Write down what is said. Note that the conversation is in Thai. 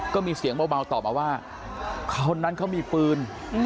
ก็มีเสียงเบาตอบมาว่าคนนั้นเขามีปืน